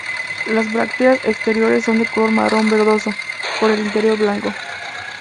Las brácteas exteriores son de color marrón verdoso, con el interior blanco.